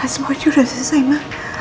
semua itu sudah selesai ma